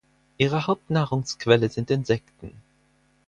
Ihre Hauptnahrungsquelle sind Insekten.